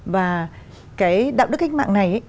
và cái đạo đức cách mạng này